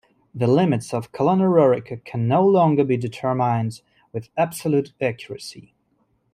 The limits of Colonia Raurica can no longer be determined with absolute accuracy.